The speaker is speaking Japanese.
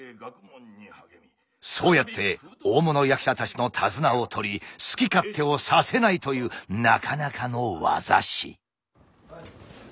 そうやって大物役者たちの手綱を取り好き勝手をさせないというなかなかの業師。